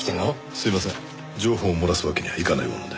すいません情報を漏らすわけにはいかないもので。